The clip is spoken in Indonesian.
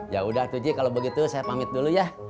yaudah tuh ji kalau begitu saya pamit dulu ya